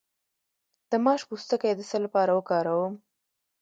د ماش پوستکی د څه لپاره وکاروم؟